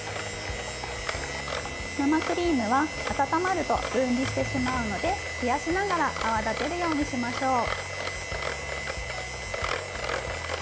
生クリームは温まると分離してしまうので冷やしながら泡立てるようにしましょう。